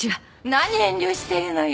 何遠慮してるのよ。